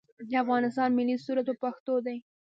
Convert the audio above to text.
د افغانستان ملي سرود په پښتو دی